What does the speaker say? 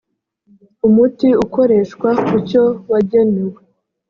umuti ukoreshwa ku cyo wagenewe